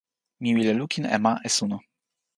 mi wile lukin e ma e suno.